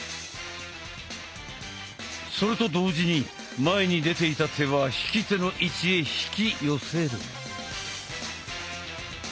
それと同時に前に出ていた手は引き手の位置へ引き寄せる。